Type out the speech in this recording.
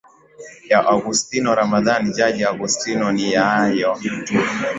ya agustino ramadhan jaji agustino ni hayo tu